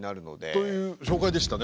という紹介でしたね。